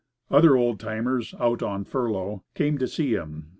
Other old timers, "out on furlough,", came to see him.